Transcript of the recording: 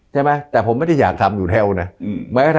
ใช่ไหมแต่ผมไม่ได้อยากทำอยู่แถวนะ